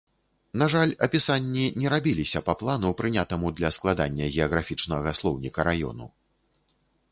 На жаль, апісанні не рабіліся па плану, прынятаму для складання геаграфічнага слоўніка раёну.